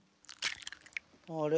あれ？